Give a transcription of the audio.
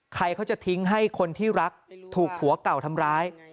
ใครเขาจะทิ้งให้คนที่รักถูกผัวเก่าทำร้าย